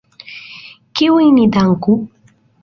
Kiujn ni danku?